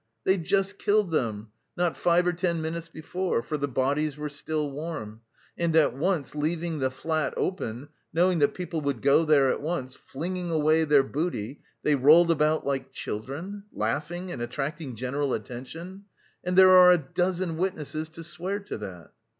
They'd just killed them, not five or ten minutes before, for the bodies were still warm, and at once, leaving the flat open, knowing that people would go there at once, flinging away their booty, they rolled about like children, laughing and attracting general attention. And there are a dozen witnesses to swear to that!"